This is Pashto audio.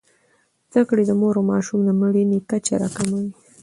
زدهکړې د مور او ماشوم د مړینې کچه راټیټوي.